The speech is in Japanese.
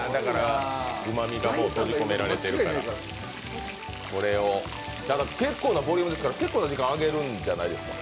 うまみがもう閉じ込められてるから結構なボリュームですから、結構な時間、揚げるんじゃないですか？